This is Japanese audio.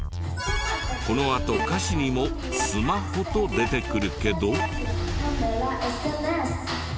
このあと歌詞にも「スマホ」と出てくるけど。